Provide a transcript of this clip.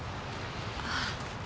ああ。